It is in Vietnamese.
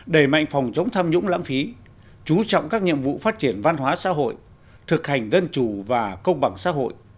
đẩy mạnh phòng chống tham nhũng lãng phí chú trọng các nhiệm vụ phát triển văn hóa xã hội thực hành dân chủ và công bằng xã hội